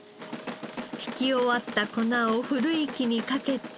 ひき終わった粉をふるい機にかけて。